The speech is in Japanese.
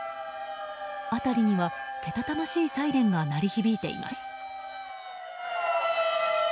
辺りにはけたたましいサイレンが鳴り響いています。